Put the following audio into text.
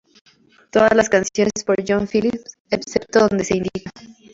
Todas las canciones por John Phillips excepto donde se indica.